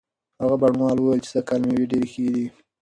هغه بڼوال وویل چې سږکال مېوې ډېرې ښې دي.